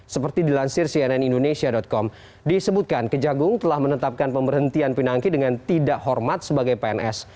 seperti dilansir cnn indonesia com disebutkan kejagung telah menetapkan pemberhentian pinangki dengan tidak hormat sebagai pns